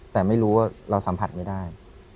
เพราะว่าเราสัมผัสไม่ได้